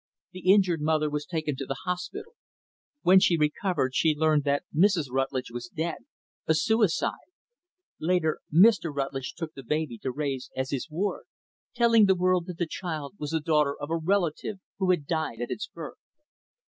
The injured mother was taken to the hospital. When she recovered, she learned that Mrs. Rutlidge was dead a suicide. Later, Mr. Rutlidge took the baby to raise as his ward; telling the world that the child was the daughter of a relative who had died at its birth.